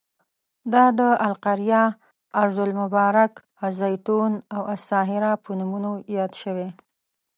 دا د القریه، ارض المبارک، الزیتون او الساهره په نومونو یاد شوی.